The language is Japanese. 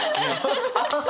ハハハハ。